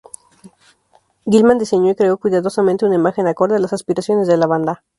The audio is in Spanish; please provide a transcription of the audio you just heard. Gillman diseño y creo cuidadosamente una imagen acorde a las aspiraciones de la banda.